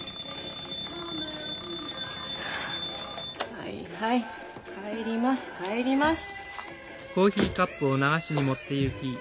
はいはい帰ります帰ります。